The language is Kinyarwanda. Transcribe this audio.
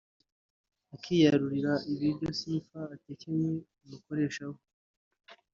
akiyarurira ibiryo Sifa atekeye umukoresha we